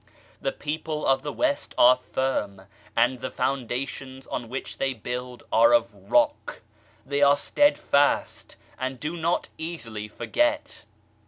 The people of the West are firm, and the foundations on which they build are of rock ; they are steadfast, and do not easily forget.